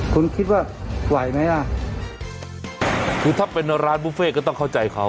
คุณคิดว่าไหวไหมอ่ะคือถ้าเป็นร้านบุฟเฟ่ก็ต้องเข้าใจเขา